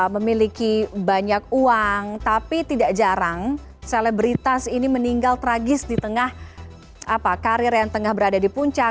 memiliki banyak uang tapi tidak jarang selebritas ini meninggal tragis di tengah karir yang tengah berada di puncak